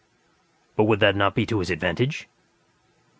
But would that not be to his advantage?"